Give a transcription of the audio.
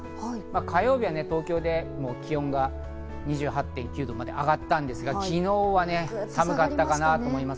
火曜日は東京で気温が２８．９度まで上がったんですが、昨日は寒かったかなと思います。